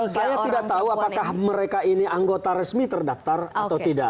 saya tidak tahu apakah mereka ini anggota resmi terdaftar atau tidak